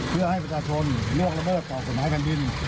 เพื่อให้ประชาชนเลือกระเบิดก่อสมัยแผ่นดิน